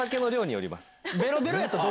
ベロベロやったら？